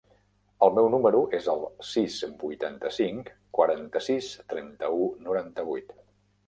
El meu número es el sis, vuitanta-cinc, quaranta-sis, trenta-u, noranta-vuit.